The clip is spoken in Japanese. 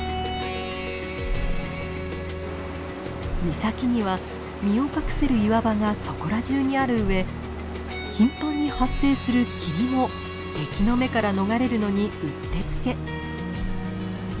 岬には身を隠せる岩場がそこら中にあるうえ頻繁に発生する霧も敵の目から逃れるのにうってつけ。